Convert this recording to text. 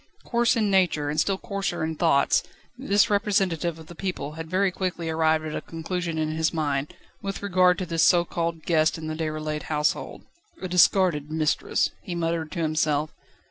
Coarse in nature, and still coarser in thoughts, this representative of the people had very quickly arrived at a conclusion in his mind, with regard to this so called guest in the Déroulède household. "A discarded mistress," he muttered to himself.